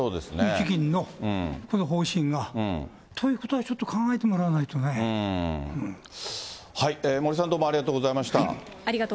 日銀のこの方針が。ということはちょっと考えてもら森さん、ありがとうございました。